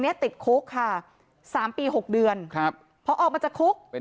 เนี้ยติดคุกค่ะ๓ปี๖เดือนครับพอออกมาจากคุกเป็น